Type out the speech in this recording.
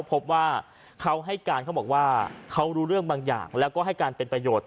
พบว่าเขาให้การเขาบอกว่าเขารู้เรื่องบางอย่างแล้วก็ให้การเป็นประโยชน์